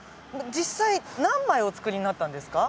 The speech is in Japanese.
実際何枚お作りになったんですか？